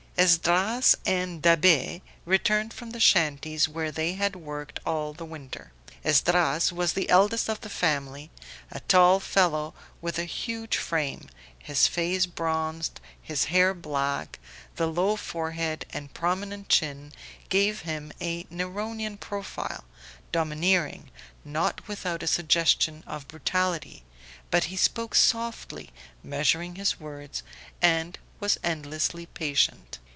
Esdras and Da'Be returned from the shanties where they had worked all the winter. Esdras was the eldest of the family, a tall fellow with a huge frame, his face bronzed, his hair black; the low forehead and prominent chin gave him a Neronian profile, domineering, not without a suggestion of brutality; but he spoke softly, measuring his words, and was endlessly patient.